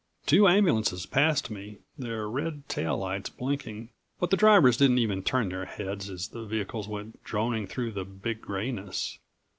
Two ambulances passed me, their red tail lights blinking, but the drivers didn't even turn their heads as the vehicles went droning through the Big Grayness.